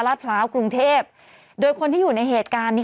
พร้าวกรุงเทพโดยคนที่อยู่ในเหตุการณ์นี้